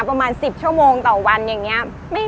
ประมาณ๑๐ชั่วโมงต่อวันอย่างนี้